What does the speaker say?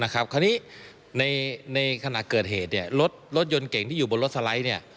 คราวนี้ในขณะเกิดเหตุรถยนต์เก่งที่อยู่บนรถสไลด์